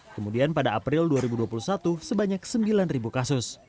kemudian pada april dua ribu dua puluh satu sebanyak sembilan kasus